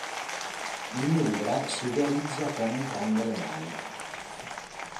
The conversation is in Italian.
Il mudra si realizza con entrambe le mani.